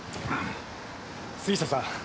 杉下さん